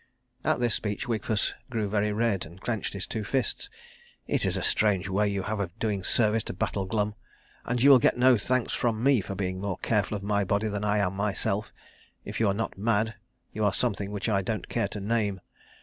At this speech Wigfus grew very red, and clenched his two fists. "It is a strange way you have of doing service to Battle Glum. And you will get no thanks from me for being more careful of my body than I am myself, If you are not mad, you are something which I don't care to name.